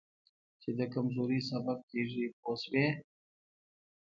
چې د کمزورۍ سبب کېږي پوه شوې!.